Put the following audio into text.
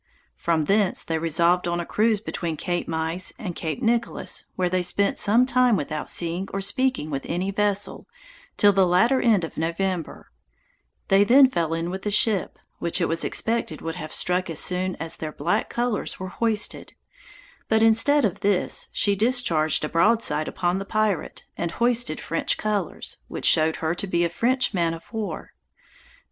From thence they resolved on a cruise between Cape Meise and Cape Nicholas, where they spent some time without seeing or speaking with any vessel, till the latter end of November; they then fell in with a ship, which it was expected would have struck as soon as their black colors were hoisted; but instead of this she discharged a broadside upon the pirate, and hoisted French colors, which showed her to be a French man of war.